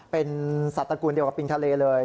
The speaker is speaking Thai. เป็นสัตว์ตระกูลเดียวกับปิงทะเลเลย